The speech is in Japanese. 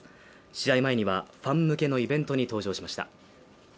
試合前にはファン向けのイベントに登場しました。